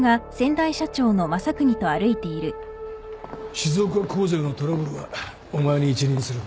静岡工場のトラブルはお前に一任する